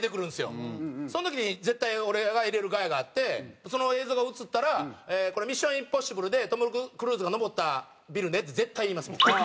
その時に絶対俺が入れるガヤがあってその映像が映ったら「これ『ミッション：インポッシブル』でトム・クルーズが登ったビルね」って絶対言います。